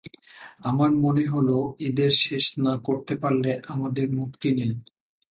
আমার মনে হল এদের শেষ না করতে পারলে আমাদের মুক্তি নেই।